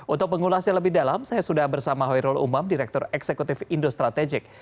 untuk pengulasnya lebih dalam saya sudah bersama hoirul umam direktur eksekutif indo strategik